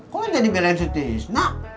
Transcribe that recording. kok yang tadi belain si tisnak